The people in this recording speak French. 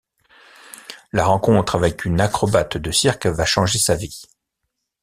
La rencontre avec une acrobate de cirque va changer sa vie.